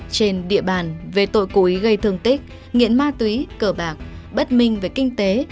trên địa bàn về tội cố ý gây thương tích nghiện ma túy cờ bạc bất minh về kinh tế